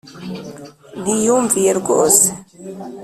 nti: yumviye rwose,